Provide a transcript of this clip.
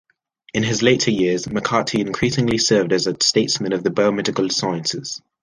In his later years, McCarty increasingly served as a statesman of the biomedical sciences.